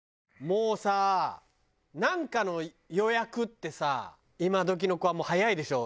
もうさなんかの予約ってさ今どきの子はもう早いでしょ？